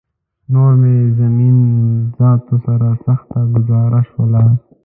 نور مې زمین ذاتو سره سخته ګوزاره شوله